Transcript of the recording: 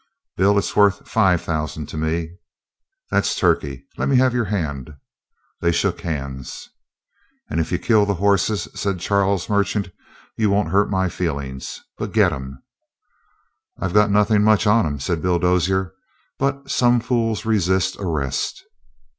"Bill, it's worth five thousand to me." "That's turkey. Let me have your hand." They shook hands. "And if you kill the horses," said Charles Merchant, "you won't hurt my feelings. But get him!" "I've got nothing much on him," said Bill Dozier, "but some fools resist arrest."